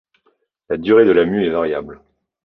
La durée de la mue est variable.